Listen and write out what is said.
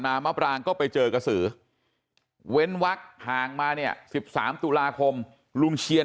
มะปรางก็ไปเจอกระสือเว้นวักห่างมาเนี่ย๑๓ตุลาคมลุงเชียน